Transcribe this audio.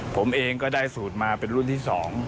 ผมเองก็ได้สูตรมาเป็นรุ่นที่๒